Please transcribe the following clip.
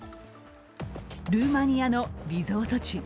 ルーマニアのリゾート地。